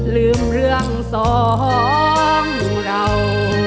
ลืมเรื่องสองเรา